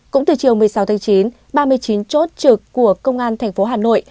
cũng từ chiều một mươi sáu tháng chín ba mươi chín chốt trực của công an thành phố hà nội